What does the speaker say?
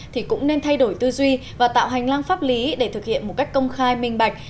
thì cũng nên thay đổi tư duy và tạo hành lang pháp lý để thực hiện một cách công khai minh bạch